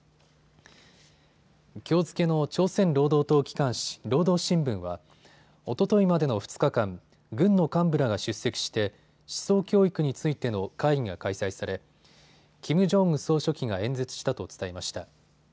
きょう付けの朝鮮労働党機関紙、労働新聞はおとといまでの２日間、軍の幹部らが出席して思想教育についての会議が開催されキム・ジョンウン総書記が演説したと伝えました。